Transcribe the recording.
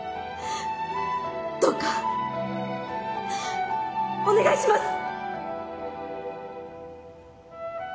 どうかお願いします。